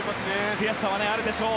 悔しさもあるでしょう。